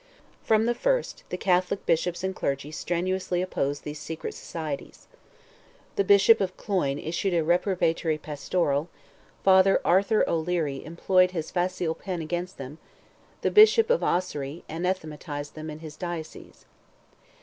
From the first, the Catholic bishops and clergy strenuously opposed these secret societies. The Bishop of Cloyne issued a reprobatory pastoral; Father Arthur O'Leary employed his facile pen against them; the Bishop of Ossory anathematized them in his diocese.